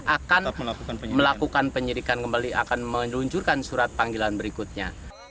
akan melakukan penyirikan kembali akan menunjurkan surat panggilan berikutnya